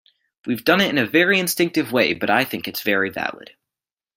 We've done it in a very instinctive way, but I think it's very valid.